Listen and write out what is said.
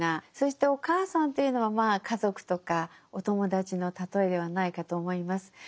そしてお母さんというのはまあ家族とかお友達の喩えではないかと思います。